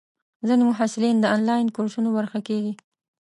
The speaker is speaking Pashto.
ځینې محصلین د انلاین کورسونو برخه کېږي.